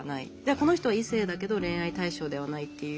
この人は異性だけど恋愛対象ではないっていう